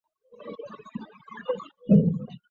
珀尔齐希是德国图林根州的一个市镇。